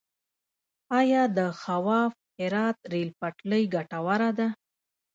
آیا د خواف - هرات ریل پټلۍ ګټوره ده؟